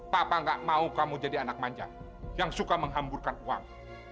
papa gak mau kamu jadi anak manja yang suka menghamburkan uang